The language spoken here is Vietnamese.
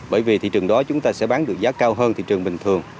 bởi vì thị trường đó chúng ta sẽ bán được giá cao hơn thị trường bình thường